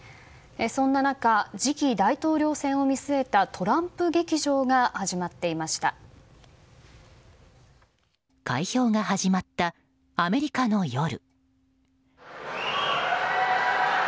そんな中次期大統領選を見据えた開票が始まったアメリカの夜。